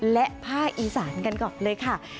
และภาคอีสานกันก่อนเลยค่ะ